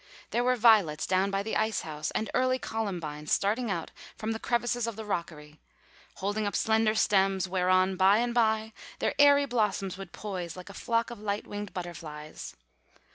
There were violets down by the ice house, and early columbines starting out from the crevices of the rockery, holding up slender stems, whereon by and bye their airy blossoms would poise like a flock of light winged butterflies.